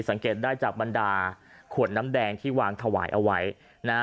สังเกตได้จากบรรดาขวดน้ำแดงที่วางถวายเอาไว้นะฮะ